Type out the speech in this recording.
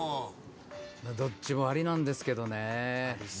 どっちもありなんですけどね。